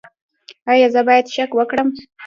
ایا زه باید شک وکړم؟